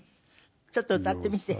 ちょっと歌ってみて。